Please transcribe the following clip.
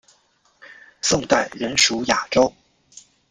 宋代仍属雅州。